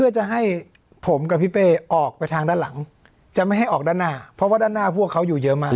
เพื่อจะให้ผมกับพี่เป้ออกไปทางด้านหลังจะไม่ให้ออกด้านหน้าเพราะว่าด้านหน้าพวกเขาอยู่เยอะมาก